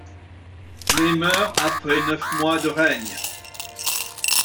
Mais meurt après neuf mois de règne.